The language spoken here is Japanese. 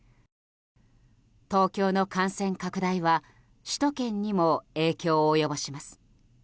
東京の感染拡大は首都圏にも影響を及ぼします。